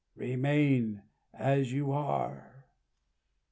Remain as you are!...